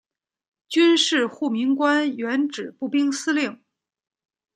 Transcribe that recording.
军事护民官原指步兵司令。